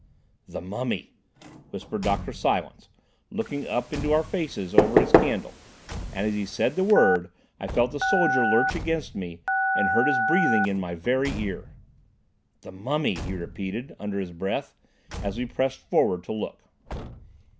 "The mummy!" whispered Dr. Silence, looking up into our faces over his candle; and as he said the word I felt the soldier lurch against me, and heard his breathing in my very ear. "The mummy!" he repeated under his breath, as we pressed forward to look.